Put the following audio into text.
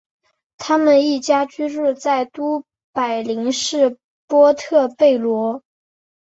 他们一家居住在都柏林市波特贝罗。